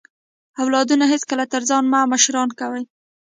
اولادونه هیڅکله تر ځان مه مشران کوئ